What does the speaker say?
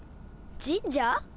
神社？